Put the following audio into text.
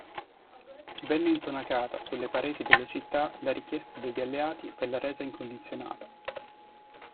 Venne intonacata sulle pareti delle città la richiesta degli alleati per la resa incondizionata.